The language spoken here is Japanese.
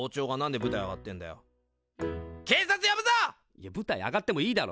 いや舞台上がってもいいだろ！